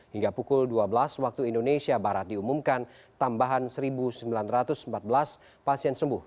hingga pukul dua belas waktu indonesia barat diumumkan tambahan satu sembilan ratus empat belas pasien sembuh